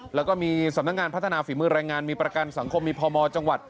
แล้วก็มีสำนักงานพัฒนาฝีมือแรงงานมีประกันสังคมมีพมจังหวัด